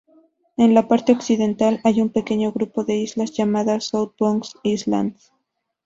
En la parte occidental hay un pequeño grupo de islas llamadas South Bog Islands.